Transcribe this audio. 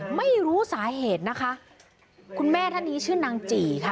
ไม่รู้สาเหตุนะคะคุณแม่ท่านนี้ชื่อนางจี่ค่ะ